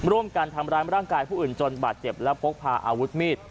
ร่วมกันทำร้ายร่างกายผู้อื่นจนบาดเจ็บและพกพาอาวุธมีด